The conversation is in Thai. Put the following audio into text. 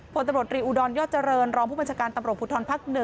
ผลตำรวจรีอุดรยอดเจริญรองผู้บัญชาการตำรวจภูทรภักดิ์๑